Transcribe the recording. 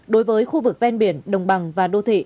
đối với khu vực ven biển đồng bằng và đô thị